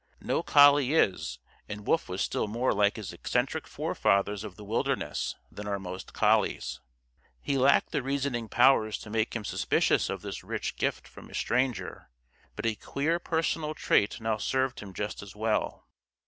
No collie is, and Wolf was still more like his eccentric forefathers of the wilderness than are most collies. He lacked the reasoning powers to make him suspicious of this rich gift from a stranger, but a queer personal trait now served him just as well.